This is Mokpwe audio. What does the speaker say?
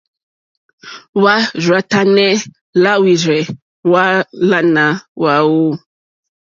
Hwá rzà tánɛ̀ làhwírzɛ́ hwáàlánà hwáwú.